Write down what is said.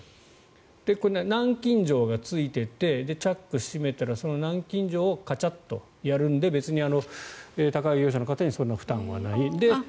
これ南京錠がついていてチャックを閉めたらその南京錠をカチャッとやるので別に宅配業者の方にそんなに負担はない。